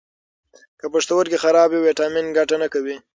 که پښتورګي خراب وي، ویټامین ګټه نه کوي.